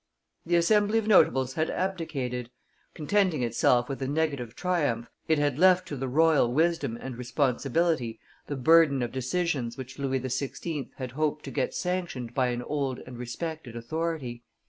The Assembly of notables had abdicated; contenting itself with a negative triumph, it had left to the royal wisdom and responsibility the burden of decisions which Louis XVI. had hoped to get sanctioned by an old and respected authority.